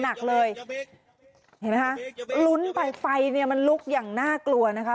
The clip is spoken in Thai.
หนักเลยเห็นไหมคะลุ้นไปไฟเนี่ยมันลุกอย่างน่ากลัวนะคะ